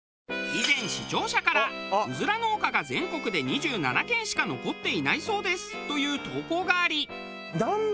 以前視聴者からうずら農家が全国で２７軒しか残っていないそうですという投稿があり。